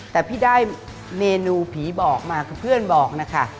แต่พี่ได้เมนูผีบอกมาคือเพื่อนบอกนะคะ